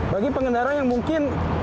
bagi pengendara yang mungkin